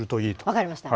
分かりました。